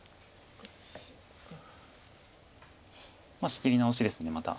仕切り直しですまた。